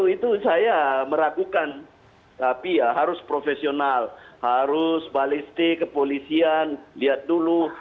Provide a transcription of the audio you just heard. itu saya meragukan tapi ya harus profesional harus balistik kepolisian lihat dulu